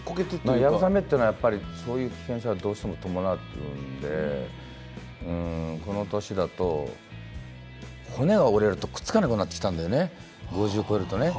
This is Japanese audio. やぶさめはそういう危険性はどうしても伴ってくるのでこの年だと骨が折れるとくっつかなくなってきたんだよね、５０超えるとね。